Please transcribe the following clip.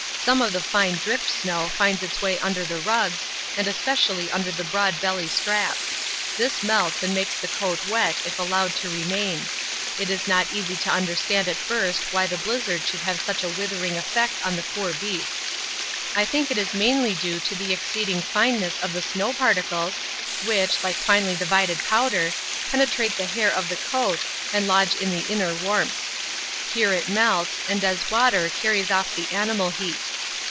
Some of the fine drift snow finds its way under the rugs, and especially under the broad belly straps; this melts and makes the coat wet if allowed to remain. It is not easy to understand at first why the blizzard should have such a withering effect on the poor beasts. I think it is mainly due to the exceeding fineness of the snow particles, which, like finely divided powder, penetrate the hair of the coat and lodge in the inner warmths. Here it melts, and as water carries off the animal heat.